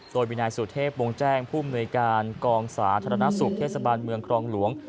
โดยมีนายสุเทพวงแจ้งผู้มนวยการกองสาธารณสุขเทศบาลเมืองครองหลวง